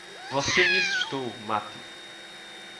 Você me assustou, Matty.